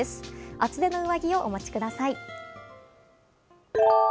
厚手の上着をお持ちください。